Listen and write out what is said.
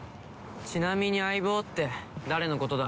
ちなみに相棒って誰のことだ？